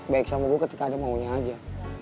baik sama gue ketika ada maunya aja